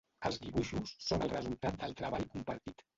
Els dibuixos són el resultat del treball compartit.